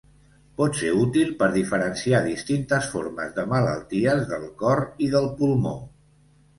Pot ser útil per diferenciar distintes formes de malalties del cor i del pulmó.